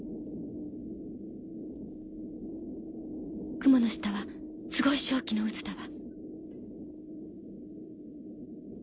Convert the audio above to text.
雲の下はすごい瘴気の渦だわ。